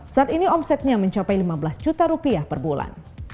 saat ini omsetnya mencapai lima belas juta rupiah per bulan